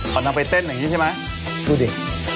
เขานางไปเต้นแบบนี้ใช่ไหม